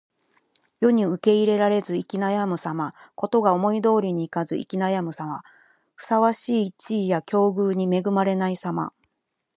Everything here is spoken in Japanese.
世に受け入れられず行き悩むさま。事が思い通りにいかず行き悩み、ふさわしい地位や境遇に恵まれないさま。